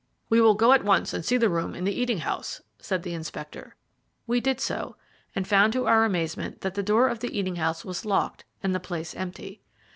"We will go at once and see the room in the eating house," said the inspector. We did so, and found to our amazement that the door of the eating house was locked and the place empty.